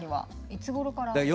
いつごろから？